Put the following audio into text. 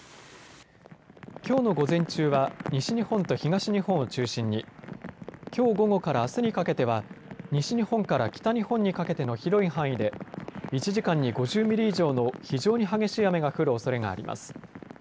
きょうの午前中は西日本と東日本を中心に、きょう午後からあすにかけては西日本から北日本にかけての広い範囲で１時間に５０ミリ以上の非常に激しい雨が降るおそれがあります。